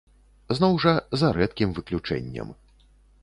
Зноў жа, за рэдкім выключэннем.